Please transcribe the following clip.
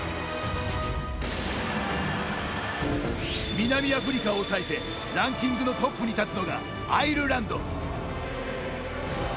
南アフリカを抑えてランキングのトップに立つのがアイルランド。